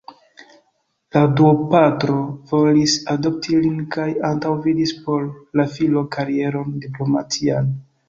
La duopatro volis adopti lin kaj antaŭvidis por la filo karieron diplomatian.